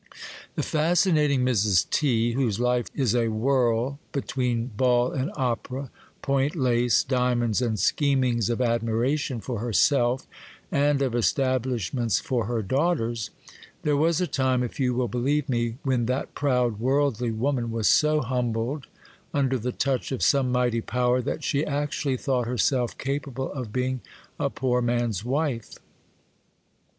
The fascinating Mrs. T., whose life is a whirl between ball and opera, point lace, diamonds, and schemings of admiration for herself, and of establishments for her daughters,—there was a time, if you will believe me, when that proud, worldly woman was so humbled, under the touch of some mighty power, that she actually thought herself capable of being a poor man's wife.